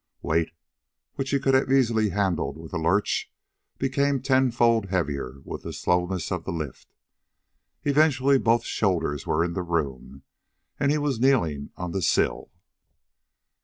Weight which he could have handled easily with a lurch, became tenfold heavier with the slowness of the lift; eventually both shoulders were in the room, and he was kneeling on the sill.